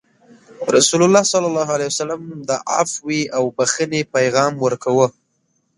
رسول الله صلى الله عليه وسلم د عفوې او بخښنې پیغام ورکوه.